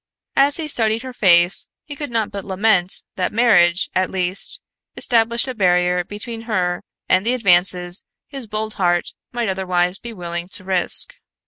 As he studied her face he could not but lament that marriage, at least, established a barrier between her and the advances his bold heart might otherwise be willing to risk.